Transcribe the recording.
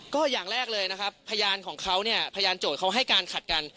ก็อย่างแรกเลยนะครับพยานของเขาเนี่ยพยานโจทย์เขาให้การขัดกัน